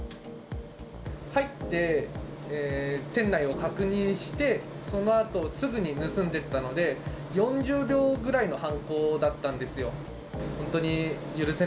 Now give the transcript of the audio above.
入って店内を確認して、そのあとすぐに盗んでいったので、４０秒ぐらいの犯行だったんですよ。